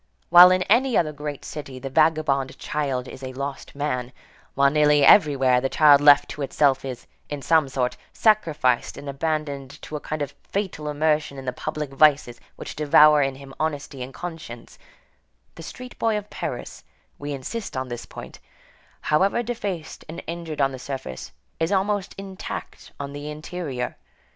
While in any other great city the vagabond child is a lost man, while nearly everywhere the child left to itself is, in some sort, sacrificed and abandoned to a kind of fatal immersion in the public vices which devour in him honesty and conscience, the street boy of Paris, we insist on this point, however defaced and injured on the surface, is almost intact on the interior.